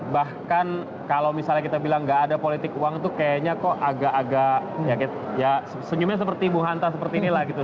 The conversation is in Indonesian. bahkan kalau misalnya kita bilang gak ada politik uang itu kayaknya kok agak agak ya senyumnya seperti bu hanta seperti inilah gitu